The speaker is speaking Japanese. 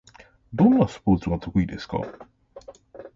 どんなスポーツが得意ですか？